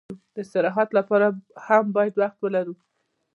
د استراحت لپاره هم باید وخت ولرو.